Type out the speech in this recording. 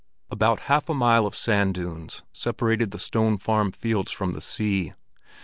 About half a mile of sand dunes separated the Stone Farm fields from the sea.